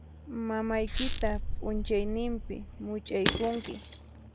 Mamaykita p'unchaynimpi much'aykunki.